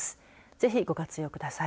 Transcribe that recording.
ぜひ、ご活用ください。